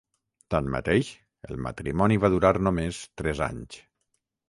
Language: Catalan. Tanmateix, el matrimoni va durar només tres anys.